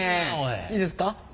いいですか？